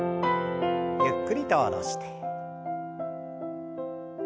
ゆっくりと下ろして。